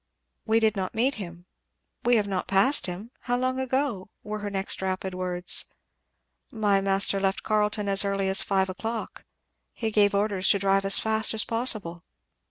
"We did not meet him we have not passed him how long ago?" were her next rapid words. "My master left Carleton as early as five o'clock he gave orders to drive as fast as possible."